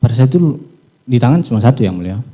pada saat itu di tangan cuma satu yang mulia